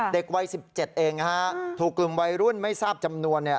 เด็กวัย๑๗เองนะฮะถูกกลุ่มวัยรุ่นไม่ทราบจำนวน